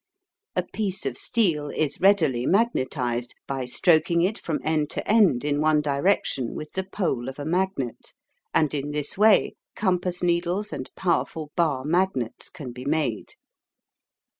A piece of steel is readily magnetised by stroking it from end to end in one direction with the pole of a magnet, and in this way compass needles and powerful bar magnets can be made.